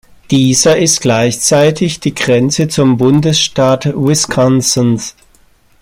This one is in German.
Dieser ist gleichzeitig die Grenze zum Bundesstaat Wisconsin.